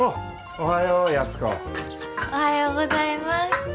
おはようございます。